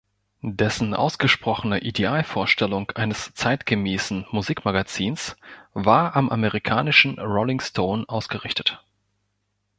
Dessen ausgesprochene Idealvorstellung eines zeitgemäßen Musik-Magazins war am amerikanischen Rolling Stone ausgerichtet.